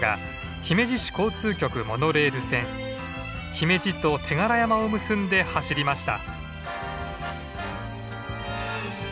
姫路と手柄山を結んで走りました。